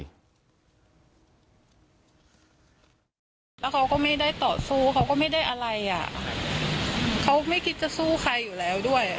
แล้วเขาก็ไม่ได้ต่อสู้เขาก็ไม่ได้อะไรอ่ะเขาไม่คิดจะสู้ใครอยู่แล้วด้วย